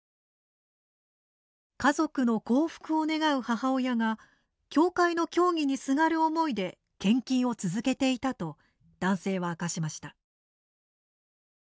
家族の幸福を願う母親が教会の教義にすがる思いで献金を続けていたと男性は明かしました。